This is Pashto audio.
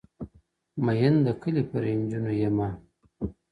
ميئن د كلي پر انجونو يمه ـ